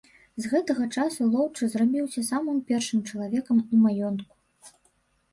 З гэтага часу лоўчы зрабіўся самым першым чалавекам у маёнтку.